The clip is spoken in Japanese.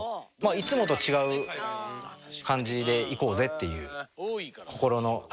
いつもと違う感じで行こうぜっていう心の。